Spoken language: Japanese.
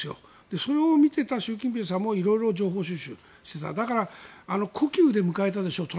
それを見ていた習近平さんも色々情報収集していただから故宮で迎えたでしょ